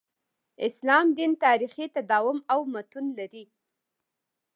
اسلام دین تاریخي تداوم او متون لري.